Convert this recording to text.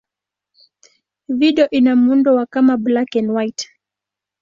Video ina muundo wa kama black-and-white.